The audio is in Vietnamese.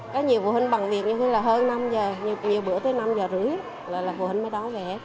có nhiều phụ huynh bằng việc như là hơn năm giờ nhiều bữa tới năm giờ rưỡi là phụ huynh mới đón vẻ